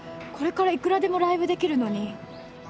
これからいくらでもライブできるのに。